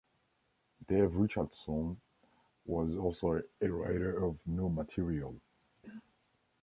Dave Richardson was also a writer of new material.